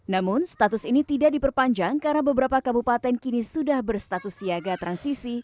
namun status ini tidak diperpanjang karena beberapa kabupaten kini sudah berstatus siaga transisi